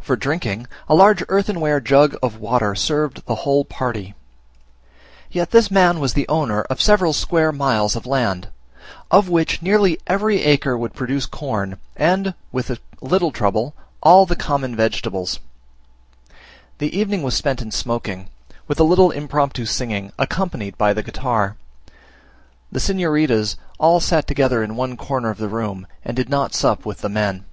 For drinking, a large earthenware jug of water served the whole party. Yet this man was the owner of several square miles of land, of which nearly every acre would produce corn, and, with a little trouble, all the common vegetables. The evening was spent in smoking, with a little impromptu singing, accompanied by the guitar. The signoritas all sat together in one corner of the room, and did not sup with the men.